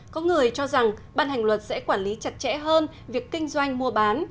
có người cho rằng bàn hành luật sẽ quản lý chặt chẽ hơn việc kinh doanh mua bán